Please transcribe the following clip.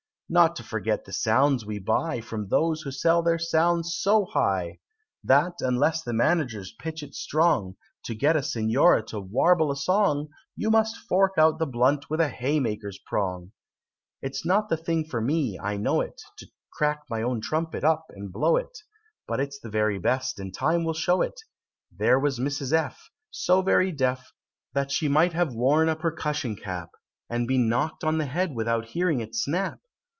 Not to forget the sounds we buy From those who sell their sounds so high, That, unless the Managers pitch it strong, To get a Signora to warble a song, You must fork out the blunt with a haymaker's prong! "It's not the thing for me I know it, To crack my own Trumpet up and blow it; But it is the best, and time will show it, There was Mrs. F. So very deaf, That she might have worn a percussion cap, And been knock'd on the head without hearing it snap.